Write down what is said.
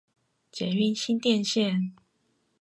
捷運新店線